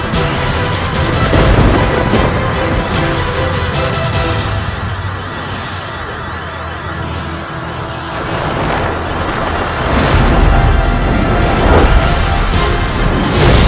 beri migrasionen tiga lima km ya